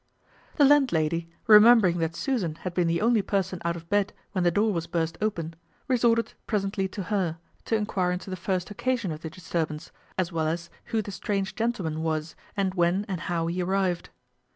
The landlady, remembering that Susan had been the only person out of bed when the door was burst open, resorted presently to her, to enquire into the first occasion of the disturbance, as well as who the strange gentleman was, and when and how he arrived.